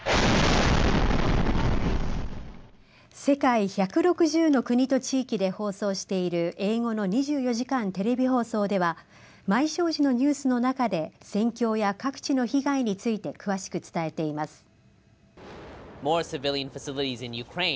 世界１６０の国と地域で放送している英語の２４時間テレビ放送では毎正時のニュースの中で戦況や各地の被害について詳しく伝えています。